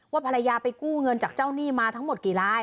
ภรรยาไปกู้เงินจากเจ้าหนี้มาทั้งหมดกี่ราย